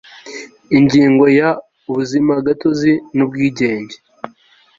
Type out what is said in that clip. ingingo ya ubuzimagatozi n ubwigenge